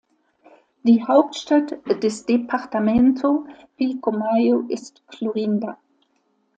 Die Hauptstadt des Departamento Pilcomayo ist Clorinda.